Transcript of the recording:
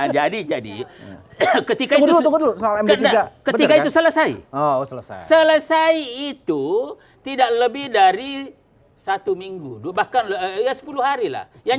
jadi jadi ketika itu selesai selesai itu tidak lebih dari satu minggu dua bahkan sepuluh hari lah